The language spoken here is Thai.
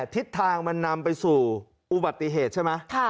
ทิศทางมันนำไปสู่อุบัติเหตุใช่ไหม